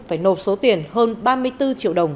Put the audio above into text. phải nộp số tiền hơn ba mươi bốn triệu đồng